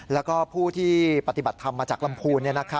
แล้วก็ผู้ที่ปฏิบัติธรรมมาจากลำพูน